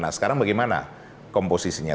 nah sekarang bagaimana komposisinya